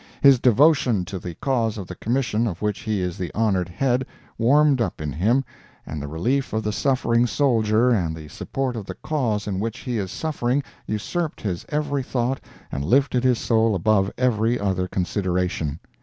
His devotion to the cause of the Commission of which he is the honored head, warmed up in him, and the relief of the suffering soldier and the support of the cause in which he is suffering usurped his every thought and lifted his soul above every other consideration.